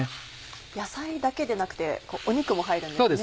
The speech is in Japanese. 野菜だけでなくて肉も入るんですね。